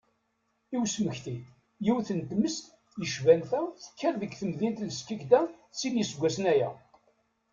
I usmekti, yiwet n tmes yecban ta, tekker deg temdint n Skikda sin n yiseggasen aya.